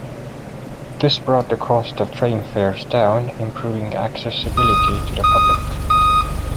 This brought the cost of train fares down, improving accessibility to the public.